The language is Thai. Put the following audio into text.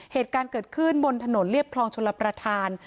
เหตุการณ์เกิดขึ้นบนถนนเรียบคลองชลประธาน